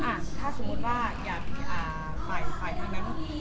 อยากให้จุกอะไรยังไงหรืออยากเคลียร์อะไร